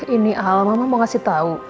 ini al mama mau kasih tahu